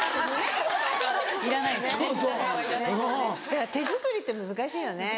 だから手作りって難しいよね。